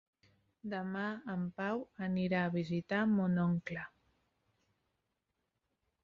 Demà en Pau anirà a visitar mon oncle.